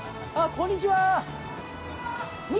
こんにちは。